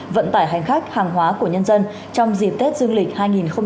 vận tải hành khách hàng hóa của nhân dân trong dịp tết dương lịch hai nghìn hai mươi